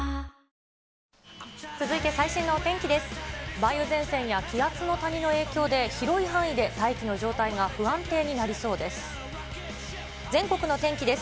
梅雨前線や気圧の谷の影響で、広い範囲で大気の状態が不安定になりそうです。